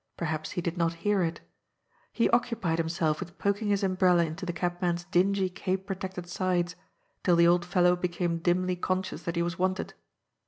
Perhaps he did not hear it. He occupied himself with poking his umbrella into the cabman's dingy cape protected sides, till the old fellow became dimly con scious that he was wanted.